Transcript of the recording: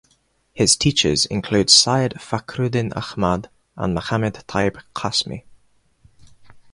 His teachers include Syed Fakhruddin Ahmad and Muhammad Tayyib Qasmi.